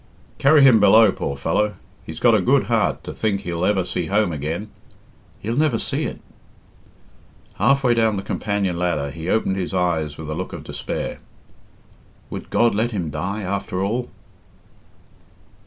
"Carry him below, poor fellow! He's got a good heart to think he'll ever see home again. He'll never see it." Half way down the companion ladder he opened his eyes with a look of despair. Would God let him die after all?